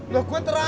lu gue terakhir dong